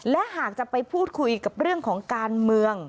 และหากจะไปพูดคุยกับเรื่องของการเมือง